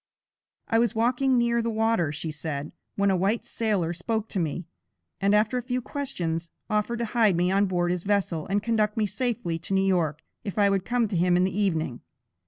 "I was walking near the water," she said, "when a white sailor spoke to me, and after a few questions, offered to hide me on board his vessel and conduct me safely to New York, if I would come to him in the evening.